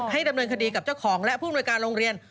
ดำเนินคดีกับเจ้าของและผู้อำนวยการโรงเรียน